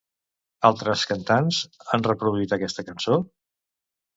Altres cantants han reproduït aquesta cançó?